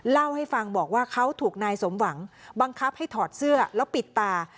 เล่าให้ฟังบอกว่าเขาถูกนายสมหวังบังคับให้ถอดเสื้อแล้วปิดตา